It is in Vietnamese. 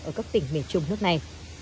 ở các tỉnh miền trung nước này